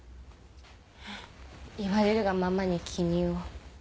言われるがままに記入を。